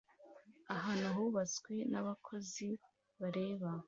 Ahantu hubatswe nabakozi bareba